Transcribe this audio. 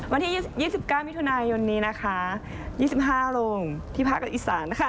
วันที่๒๙มิถุนายนยนต์นี้นะคะ๒๕โรงที่พักกับอีศาลนะคะ